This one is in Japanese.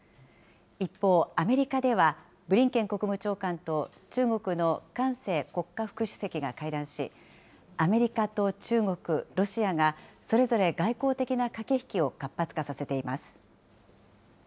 一方、アメリカではブリンケン国務長官と中国の韓正国家副主席が会談し、アメリカと中国、ロシアがそれぞれ外交的な駆け引きを活発化させています。